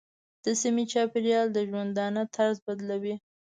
د سیمې چاپېریال د ژوندانه طرز بدلوي.